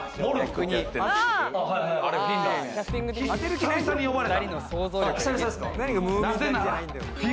久々に呼ばれた。